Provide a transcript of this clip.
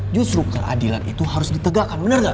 justru keadilan itu harus ditegakkan bener gak